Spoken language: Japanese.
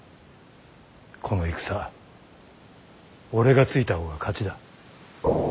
この戦俺がついた方が勝ちだ。